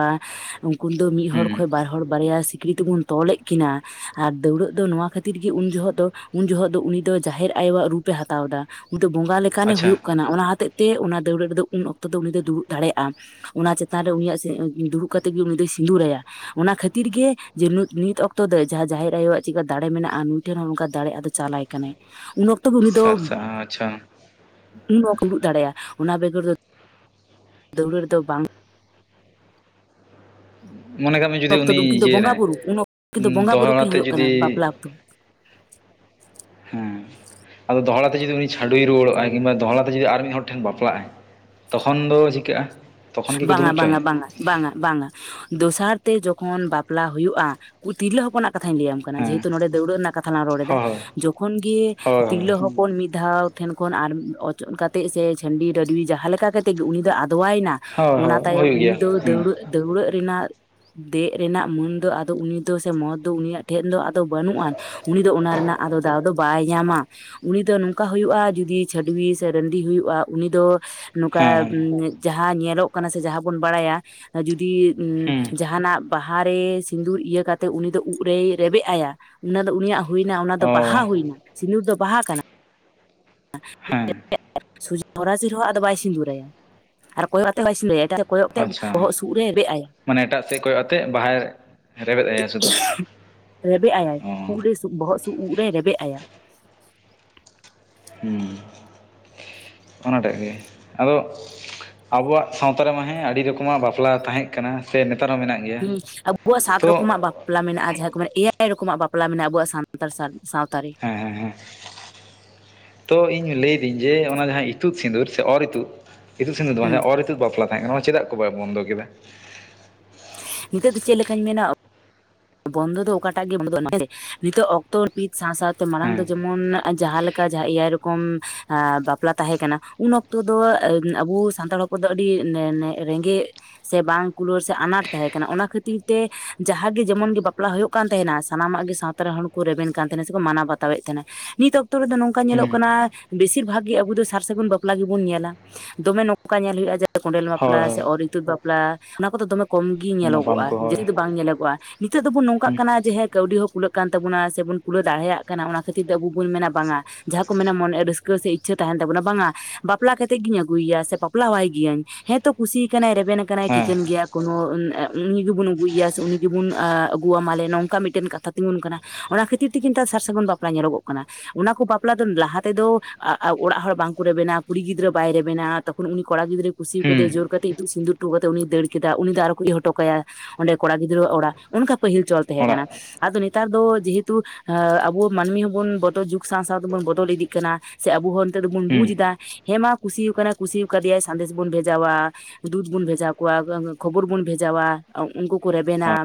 ᱩᱱᱠᱩ ᱫᱚ ᱢᱤᱫ ᱦᱚᱲᱚᱲ ᱦᱩᱸ ᱠᱷᱚᱜ ᱵᱟᱨ ᱦᱚᱲ ᱵᱟᱨᱭᱟ ᱥᱤᱠᱲᱤ ᱛᱮᱵᱚᱱ ᱛᱚᱞᱮᱜ ᱠᱤᱱᱟᱹ ᱟᱨ ᱫᱟᱹᱣᱲᱟᱹᱜ ᱫᱚ, ᱱᱚᱣᱟ ᱠᱷᱟᱹᱛᱤᱨ ᱜᱮ ᱩᱱ ᱡᱚᱦᱚᱜ ᱫᱚ ᱩᱱ ᱡᱚᱦᱚᱜ ᱫᱚ ᱩᱱᱤ ᱫᱚ ᱡᱟᱦᱮᱨ ᱟᱭᱳᱣᱟᱜ ᱨᱩᱯ ᱯᱮ ᱦᱟᱛᱟᱣ ᱫᱟ ᱩᱱᱤ ᱫᱚ ᱵᱚᱸᱜᱟ ᱞᱮᱠᱟᱱᱮ ᱟᱪᱪᱷᱟ ᱦᱩᱭᱩᱜ ᱠᱟᱱᱟ᱾ ᱚᱱᱟ ᱦᱚᱛᱮᱡ ᱛᱮ ᱚᱱᱟ ᱫᱟᱹᱣᱲᱟᱹᱜ ᱨᱮᱫᱚ ᱩᱱ ᱚᱠᱛᱚ ᱫᱚ ᱩᱱᱤ ᱫᱚᱭ ᱫᱩᱲᱩᱵ ᱫᱟᱲᱮᱭᱟᱜᱼᱟ, ᱚᱱᱟ ᱪᱮᱛᱟᱱ ᱨᱮ ᱩᱱᱤᱭᱟᱜ ᱫᱩᱲᱩᱵ ᱠᱟ ᱛᱮᱜᱮ ᱩᱱᱤ ᱫᱚᱭ ᱥᱤᱸᱫᱩᱨᱟᱭᱟ᱾ ᱚᱱᱟ ᱠᱷᱟᱹᱛᱤᱨ ᱜᱮ ᱡᱮ ᱱᱤᱛ ᱚᱠᱛᱚ ᱫᱚ, ᱡᱟᱦᱟᱸ ᱡᱟᱦᱮᱨ ᱟᱭᱳᱣᱟᱜ ᱪᱤᱜᱠᱟ ᱫᱟᱲᱮ ᱢᱮᱱᱟᱜᱼᱟ, ᱱᱩᱭ ᱴᱷᱮᱱ ᱦᱚᱸ ᱱᱚᱝᱠᱟ ᱫᱟᱲᱮ ᱟᱫ ᱪᱟᱞᱟᱭ ᱠᱟᱱᱟᱭ ᱩᱱᱟᱹᱜ ᱵᱷᱚᱠᱛᱚ ᱵᱷᱩᱜᱤ ᱫᱚ ᱥᱟᱨ ᱥᱟ ᱟᱪᱪᱷᱟ ᱩᱱ ᱚᱠᱛᱚ ᱵᱟᱠᱚ ᱩᱫᱩᱜ ᱫᱟᱲᱮᱭᱟᱜᱼᱟ ᱚᱱᱟ ᱵᱮᱜᱚᱨ ᱫᱚ ᱫᱟᱹᱣᱲᱟᱹ ᱨᱮᱫᱚ ᱵᱟᱝ ᱢᱚᱱᱮ ᱠᱟᱜ ᱢᱮ ᱡᱩᱫᱤ ᱚᱠᱛᱚ ᱩᱱᱤ ᱫᱚ ᱩᱱᱠᱤᱱ ᱫᱚ ᱤᱭᱟᱹᱭ ᱵᱚᱸᱜᱟ ᱱᱟᱭ ᱵᱩᱨᱩ ᱩᱱ ᱚᱠᱛᱚ ᱩᱱᱠᱤᱱ ᱫᱚ ᱵᱚᱸᱜᱟ ᱵᱩᱨᱩ ᱠᱤᱱ ᱫᱚᱦᱚᱲᱟᱛᱮ ᱦᱩᱭᱩᱜ ᱠᱟᱱᱟ ᱡᱩᱫᱤ ᱵᱟᱯᱞᱟ ᱚᱠᱛᱚ ᱦᱮᱸ ᱟᱫᱚ ᱫᱚᱦᱚᱲᱟ ᱛᱮ ᱡᱩᱫᱤ ᱩᱱᱤ ᱪᱷᱟᱰᱩᱭ ᱨᱩᱣᱟᱹᱲᱚᱜᱼ ᱟᱭ, ᱠᱤᱢᱵᱟ ᱫᱚᱦᱚᱲᱟ ᱛᱮ ᱡᱩᱫᱤ ᱟᱨ ᱢᱤᱫ ᱦᱚᱲ ᱴᱷᱮᱱ ᱵᱟᱯᱞᱟᱜᱼ ᱟᱭ ᱛᱚᱠᱷᱚᱱ ᱫᱚ ᱪᱤᱠᱟᱹᱜᱼᱟ? ᱛᱚᱠᱷᱚᱱ ᱜᱮᱠᱚ ᱫᱩᱲᱩᱵ ᱦᱚᱪᱚᱭᱟ ᱵᱟᱝᱟᱻᱵᱟᱝᱟᱻᱵᱟᱝᱟᱻ᱾ ᱵᱟᱝᱟᱻᱵᱟᱝᱟᱻ, ᱫᱚᱥᱟᱨ ᱛᱮ ᱡᱚᱠᱷᱚᱱ ᱵᱟᱯᱞᱟ ᱦᱩᱭᱩᱜᱼᱟ, ᱛᱤᱨᱞᱟᱹ ᱦᱚᱯᱚᱱᱟᱜ ᱠᱟᱛᱷᱟᱧ ᱞᱟᱹᱭᱟᱢ ᱠᱟᱱᱟ ᱦᱮᱸ ᱡᱮᱦᱮᱛᱩ ᱱᱚᱰᱮ ᱫᱟᱹᱣᱲᱟᱹᱣ ᱨᱮᱱᱟᱜ ᱠᱟᱛᱷᱟ ᱞᱟᱝ ᱨᱚᱲ ᱮᱫᱟ, ᱦᱳᱭ ᱡᱚᱠᱷᱚᱱ ᱜᱮ ᱦᱳᱭ ᱦᱳᱭ ᱛᱤᱨᱞᱟᱹ ᱦᱚ ᱯᱚᱱ ᱢᱤᱫ ᱫᱷᱟᱣ ᱴᱷᱮᱱ ᱠᱷᱚᱱ ᱟᱨ ᱚᱪᱚᱜ ᱠᱟᱛᱮ ᱥᱮ, ᱪᱟᱹᱱᱰᱤ ᱨᱟᱺᱰᱤ ᱡᱟᱦᱟᱸ ᱞᱮᱠᱟ ᱠᱟᱛᱮ ᱜᱮ ᱩᱱᱤ ᱫᱚ ᱟᱫᱣᱟᱭᱱᱟ ᱦᱳᱭ ᱚᱱᱟ ᱦᱳᱭ ᱛᱟᱭᱚᱢ ᱦᱩᱭᱩᱜ ᱩᱱᱤ ᱜᱮᱭᱟ ᱫᱚ ᱦᱮᱸ ᱫᱟᱹᱣᱲᱟᱹᱜ ᱫᱟᱹᱣᱲᱟᱹᱜ ᱨᱮᱱᱟᱜ ᱫᱮᱜ ᱨᱮᱱᱟᱜ ᱢᱟᱹᱱ ᱫᱚ ᱟᱫᱚ ᱩᱱᱤ ᱫᱚ ᱥᱮ, ᱢᱚᱦᱚᱛᱫᱚ ᱩᱱᱤᱭᱟᱜ ᱴᱷᱮᱱ ᱫᱚ ᱟᱫᱚ ᱵᱟᱹᱱᱩᱜ ᱟᱱ᱾ ᱩᱱᱤ ᱫᱚ ᱚᱱᱟ ᱨᱮᱱᱟᱜ ᱟᱫᱚ ᱫᱟᱣ ᱫᱚ ᱵᱟᱭ ᱧᱟᱢᱟ ᱩᱱᱤ ᱫᱚ ᱱᱚᱝᱠᱟ ᱦᱩᱭᱩᱜᱼᱟ ᱡᱩᱫᱤ ᱪᱷᱟᱹᱰᱣᱤ ᱥᱮ ᱨᱟᱹᱰᱤ ᱦᱩᱭᱩᱜᱼᱟ ᱩᱱᱤ ᱫᱚ ᱦᱮᱸ ᱱᱚᱝᱠᱟ ᱦᱮᱸ ᱡᱟᱦᱟᱸ ᱧᱮᱞᱚᱜ ᱠᱟᱱᱟ ᱥᱮ ᱡᱟᱦᱟᱸ ᱵᱚᱱ ᱵᱟᱲᱟᱭᱟ ᱡᱩᱫᱤ ᱦᱮᱸ ᱡᱟᱦᱟᱱᱟᱜ ᱵᱟᱦᱟ ᱨᱮ ᱥᱤᱫᱩᱨ ᱤᱭᱟᱹ ᱠᱟᱛᱮᱫ ᱩᱱᱤ ᱫᱚ ᱩᱵᱽ ᱨᱮᱭ ᱨᱮᱵᱮᱫ ᱟᱭᱟ ᱚᱱᱟ ᱫᱚ ᱩᱱᱤᱭᱟᱜ ᱦᱩᱭᱱᱟ ᱚᱱᱟ ᱚ ᱫᱚ ᱵᱟᱦᱟ ᱦᱩᱭᱱᱟ ᱥᱤᱸᱫᱩᱨ ᱫᱚ ᱵᱟᱦᱟ ᱠᱟᱱᱟ ᱪ ᱦᱮᱸ [unintelligible] ᱦᱚᱨᱟᱥᱤ ᱨᱮᱦᱚ ᱟᱫᱚ ᱵᱟᱭ ᱥᱤᱸᱫᱩᱨᱟᱭᱟ ᱟᱨ ᱠᱚᱭᱚᱜ ᱟᱛᱮ ᱦᱚᱸ ᱵᱟᱭ ᱥᱤᱸᱩᱨᱟᱭᱟ ᱮᱴ ᱠᱚᱭᱚᱜ ᱛᱮ ᱟᱪᱪᱷᱟ ᱵᱚᱦᱚᱜ ᱥᱩᱨᱫ ᱨᱮ ᱨᱮᱵᱮᱫ ᱟᱭᱟ ᱢᱟᱱᱮ ᱮᱴᱟᱜ ᱥᱮᱫ ᱠᱚᱭᱚᱜ ᱟᱛᱮᱫ ᱵᱟᱦᱟᱭ ᱨᱮᱵᱮᱫ ᱟᱟ ᱥᱩᱫᱷᱩ ᱨᱮᱵᱮᱫ ᱟᱭᱟ ᱚ ᱵᱚᱦᱚᱜ ᱥᱩᱫ ᱩᱵ ᱨᱮᱭ ᱨᱮᱵᱮᱫ ᱟᱭᱟ ᱦᱩᱸ [inaudible] ᱚᱱᱟᱴᱟᱜ ᱜᱮ ᱟᱫᱚ ᱟᱵᱚᱣᱟᱜ ᱥᱟᱶᱛᱟ ᱨᱮᱢᱟ ᱦᱮᱸ ᱟᱹᱰᱤ ᱨᱚᱠᱚᱢᱟᱜ ᱵᱟᱯᱞᱟ ᱛᱟᱦᱮᱸ ᱠᱟᱱᱟ ᱥᱮ ᱱᱮᱛᱟᱨ ᱦᱚᱸ ᱢᱮᱱᱟᱜ ᱜᱮᱭᱟ ᱦᱮᱸ ᱟᱵᱚᱣᱟᱜ ᱥᱟᱛ ᱛᱚ ᱨᱚᱠᱚᱢᱟᱜ ᱵᱟᱯ ᱵᱟᱯᱞᱟ ᱢᱮᱱᱟᱜᱼᱟ ᱡᱟᱦᱟᱸ ᱠᱚ ᱢᱮ ᱵᱟᱯᱞᱟ ᱢᱮᱱᱟᱜᱼᱟ ᱡᱟᱦᱟᱠᱚ ᱢᱮᱱᱟ ᱮᱭᱟᱭ ᱨᱚᱠᱚᱢᱟᱜ ᱵᱟᱯᱞᱟ ᱢᱮᱱᱟᱜᱼᱟ ᱟᱵᱚᱣᱟᱜ ᱥᱟᱱᱛᱟᱲ ᱥᱟᱶᱛᱟ ᱨᱮ ᱦᱮᱸ ᱦᱮᱸ ᱦᱮᱸ ᱛᱚ ᱤᱧ ᱞᱟᱹᱭᱫᱟᱹᱧ ᱡᱮ ᱚᱱᱟ ᱡᱟᱦᱟᱸ ᱤᱛᱩᱫ ᱥᱤᱸᱫᱩᱨ ᱥᱮ ᱚᱨ ᱤᱛᱩᱫ ᱤᱛᱩᱫ ᱥᱤᱸᱫᱩᱨ ᱫᱚ ᱵᱟᱝ ᱦᱮᱸ ᱚᱨ ᱤᱛᱫ ᱵᱟᱯᱞᱟ ᱛᱟᱦᱮᱸ ᱠᱟᱱᱟ ᱱᱚᱣᱟ ᱪᱮᱫᱟᱜ ᱠᱚ ᱵᱟᱭ ᱵᱚᱱᱫᱚ ᱠᱮᱫᱟ ᱱᱤᱛᱚᱜ ᱫᱚ ᱪᱮᱫ ᱞᱮᱠᱟᱧ ᱢᱮᱱᱟ ᱵᱚᱱᱫᱚ ᱫᱚ ᱚᱠᱟᱴᱟᱜ ᱜᱮ ᱵᱚᱱ [unintelligible] ᱱᱤᱛᱚᱜ ᱚᱠᱛᱚ ᱯᱤᱛ ᱥᱟᱶ ᱥᱟᱶᱛᱮ ᱢᱟᱲᱟᱝ ᱫᱚ ᱦᱮᱸ ᱡᱮᱢᱚᱱ ᱡᱟᱦᱟᱸᱮᱠᱟ ᱮᱭᱟᱭ ᱨᱚᱠᱚᱢ ᱵᱟᱯᱞᱟ ᱛᱟᱦᱮᱸ ᱠᱟᱱᱟ ᱩᱱ ᱚᱠᱛᱚ ᱫᱚ ᱟᱵᱚ ᱥᱟᱱᱛᱟᱲ ᱦᱚᱯᱚᱱ ᱩᱱᱠᱩ ᱫᱚ ᱟᱹᱰᱤ ᱨᱮᱸᱜᱮᱡ ᱥᱮ ᱵᱟᱝ ᱠᱩᱞᱟᱹᱲ ᱥᱮ ᱟᱱᱟᱴ ᱛᱟᱦᱮᱸ ᱠᱟᱱᱟ ᱚᱱᱟ ᱠᱷᱟᱹᱛᱤᱨ ᱛᱮ ᱡᱟᱦᱟᱸᱜᱮ ᱡᱮᱢᱚᱱ ᱜᱮᱤ ᱵᱟᱯᱞᱟ ᱦᱩᱭᱩᱜ ᱠᱟᱱ ᱛᱟᱦᱮᱱᱟ ᱥᱟᱱᱟᱢᱟᱜ ᱜᱮ ᱥᱟᱶᱛᱟ ᱨᱮᱱ ᱦᱚᱲ ᱠᱚ ᱨᱮᱵᱮᱱ ᱠᱟᱱ ᱛᱟᱦᱮᱱᱟ ᱥᱮᱠᱚ ᱢᱟᱱᱟᱣ ᱵᱟᱛᱟᱣ ᱮᱫ ᱛᱟᱦᱮᱱᱟ ᱱᱤᱛᱚᱜ ᱚᱠᱛᱚ ᱨᱮᱫᱚ ᱱᱚᱝᱠᱟ ᱧᱮᱞᱚᱜ ᱦᱩᱸ ᱠᱟᱱᱟ ᱵᱮᱥᱤᱨ ᱵᱷᱟᱜ ᱜᱮ ᱟᱵᱚ ᱫᱚ ᱥᱟᱨ ᱥᱟᱹᱜᱩᱱ ᱵᱟᱯᱞᱟ ᱜᱮᱵᱚᱱ ᱧᱮᱞᱟ ᱫᱚᱢᱮ ᱱᱚᱝᱠᱟ ᱧᱮᱞ ᱦᱩᱭᱩᱜᱼᱟ ᱡᱮ ᱠᱚᱸᱰᱮᱞ ᱦᱳᱭ ᱵᱟᱯᱞᱟ ᱥᱮ ᱚᱨ ᱦᱳᱭ ᱤᱛᱩᱫ ᱵᱟᱯᱞᱟ ᱚᱱᱟ ᱠᱚᱫᱚ ᱫᱚᱢᱮ ᱠᱚᱢ ᱜᱮ ᱧᱟᱯᱟᱢ ᱧᱮᱞᱚᱜᱚᱜᱼᱟ ᱠᱚ ᱦᱳᱭ ᱡᱟᱹᱥᱛᱤ ᱫᱚ ᱵᱟᱝ ᱧᱮᱞᱚᱜᱚᱜᱼᱟ ᱱᱤᱛᱚᱜ ᱫᱚᱵᱚᱱ ᱱᱚᱝᱠᱟᱜ ᱦᱩᱸ ᱠᱟᱱᱟ ᱡᱮ ᱦᱮ ᱠᱟᱹᱣᱰᱤ ᱦᱚᱸ ᱠᱩᱞᱟᱹᱜ ᱠᱟᱱ ᱛᱟᱵᱚᱱᱟ ᱥᱮᱵᱚᱱ ᱠᱩᱞᱟᱹᱣ ᱫᱟᱲᱮᱭᱟᱜ ᱠᱟᱱᱟ ᱚᱱᱟ ᱠᱷᱟᱹᱛᱤᱨ ᱛᱮ ᱟᱵᱚ ᱵᱚᱱ ᱢᱮᱱᱟ ᱵᱟᱝᱟ ᱡᱟᱦᱟᱸ ᱠᱚ ᱢᱮᱱᱟ ᱢᱚᱱᱮ ᱨᱟᱹᱥᱠᱟᱹ ᱥᱮ ᱤᱪᱪᱷᱟᱹ ᱛᱟᱦᱮᱱ ᱛᱟᱵᱚᱱᱟ ᱵᱟᱝᱟ ᱵᱟᱯᱞᱟ ᱠᱟᱛᱮᱫ ᱜᱤᱧ ᱟᱹᱜᱩᱭᱮᱭᱟ ᱥᱮ ᱵᱟᱯᱞᱟᱣ ᱟᱭ ᱜᱤᱭᱟᱹᱧ ᱦᱮᱸᱛᱚ ᱠᱩᱥᱤ ᱠᱟᱱᱟᱭ ᱨᱮᱵᱮᱱ ᱟᱠᱟᱱᱟᱭ ᱦᱮᱸ ᱴᱷᱤᱠᱟᱹᱱ ᱜᱮᱭᱟ ᱠᱳᱱᱳ ᱩᱱᱤ ᱜᱮᱵᱚᱱ ᱟᱹᱜᱩᱭᱮᱭᱟ ᱩᱱᱤ ᱡᱮᱢᱚᱱ ᱟᱹᱜᱩᱣᱟ ᱢᱟᱞᱮ ᱱᱚᱝᱠᱟ ᱢᱤᱫᱴᱮᱱ ᱠᱟᱛᱷᱟ ᱛᱤᱸᱜᱩᱱ ᱠᱟᱱᱟ ᱚᱱᱟ ᱠᱷᱟᱹᱛᱤᱨ ᱛᱮ ᱠᱤᱱᱛᱩ ᱥᱟᱨ ᱥᱟᱹᱜᱩᱱ ᱵᱟᱯᱞᱟ ᱧᱮᱞᱚᱜᱚᱜ ᱠᱟᱱᱟ ᱚᱱᱟ ᱠᱚ ᱵᱟᱯᱞᱟ ᱫᱚ ᱞᱟᱦᱟ ᱛᱮᱫᱚ ᱚᱲᱟᱜ ᱦᱚᱲ ᱵᱟᱝᱠᱚ ᱨᱮᱵᱮᱱᱟ ᱠᱩᱲᱤ ᱜᱤᱫᱽᱨᱟᱹ ᱵᱟᱭ ᱨᱮᱵᱮᱱᱟ ᱛᱚᱠᱷᱚᱱ ᱩᱱᱤ ᱠᱚᱲᱟ ᱜᱤᱫᱽᱨᱟᱹ ᱠᱩᱥᱤᱣ ᱦᱩᱸ ᱠᱟᱫᱮ ᱡᱳᱨ ᱠᱟᱛᱮ ᱤᱛᱩᱜ ᱥᱤᱸᱫᱩᱨ ᱦᱚᱴᱚ ᱠᱟᱛᱮ ᱩᱱᱤᱭ ᱫᱟᱹᱲ ᱠᱮᱫᱟ ᱩᱱᱤ ᱫᱚ ᱟᱨᱚ ᱠᱚ ᱦᱚᱴ ᱠᱟᱭᱟ ᱚᱸᱰᱮ ᱠᱚᱲᱟ ᱜᱤᱫᱽᱨᱟᱹ ᱜᱤᱫᱽᱨᱟᱹᱣᱟᱜ ᱚᱲᱟᱜ ᱚᱱᱠᱟ ᱯᱟᱹᱦᱤᱞ ᱪᱚᱞ ᱛᱟᱦᱮᱸ ᱚᱲᱟᱜ ᱠᱟᱱᱟ ᱟᱫᱚ ᱱᱮᱛᱟᱨ ᱫᱚ ᱡᱮᱦᱮᱛᱩ ᱮ ᱟᱵᱚ ᱢᱟᱹᱱᱢᱤ ᱦᱚᱸᱵᱚᱱ ᱵᱚᱫᱚᱞ ᱡᱩᱜᱽ ᱥᱟᱶ ᱥᱟᱶ ᱛᱮᱵᱚᱱ ᱵᱚᱫᱚᱞ ᱤᱫᱤᱜ ᱠᱟᱱᱟ ᱥᱮ ᱟᱵᱚ ᱦᱚᱸ ᱱᱤᱛᱚᱜ ᱫᱚᱵᱚᱱ ᱦᱩᱸ ᱵᱩᱡ ᱮᱫᱟ ᱦᱮᱸ ᱢᱟ ᱠᱩᱥᱤ ᱠᱟᱱᱟᱭ ᱠᱩᱥᱤ ᱠᱟᱫᱮᱭᱟᱭ ᱥᱟᱸᱫᱮᱥ ᱵᱚᱱ ᱵᱷᱮᱡᱟᱣᱟ ᱫᱩᱫ ᱵᱩᱱ ᱵᱷᱮᱡᱟ ᱠᱚᱣᱟ ᱠᱷᱚᱵᱚᱨ ᱵᱩᱱ ᱵᱷᱮᱡᱟᱣᱟ ᱩᱱᱠᱩ ᱠᱚ ᱨᱮᱵᱮᱱᱟ